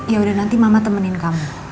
ya udah nanti mama temenin kamu